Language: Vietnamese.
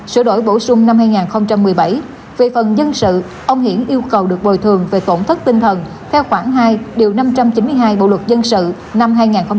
sửa đổi bổ sung năm hai nghìn một mươi bảy về phần dân sự ông hiển yêu cầu được bồi thường về tổn thất tinh thần theo khoảng hai năm trăm chín mươi hai bộ luật dân sự năm hai nghìn một mươi năm